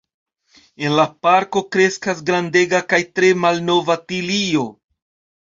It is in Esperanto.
En la parko kreskas grandega kaj tre malnova tilio.